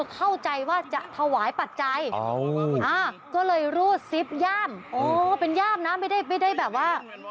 เข้าใจว่าจะถวายปัจจัยก็เลยรูดซิปย่ามโอ้เป็นย่ามนะไม่ได้แบบว่า